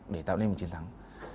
để tạo nên một chiến thắng